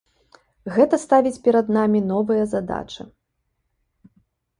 Гэта ставіць перад намі новыя задачы.